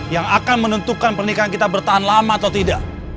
yang akan menentukan pernikahan kita bertahan lama atau tidak